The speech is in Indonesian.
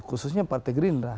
khususnya partai gerindra